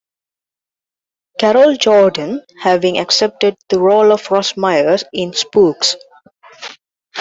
Carol Jordan, having accepted the role of Ros Myers in "Spooks".